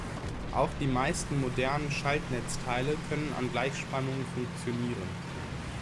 Auch die meisten modernen Schaltnetzteile können an Gleichspannung funktionieren.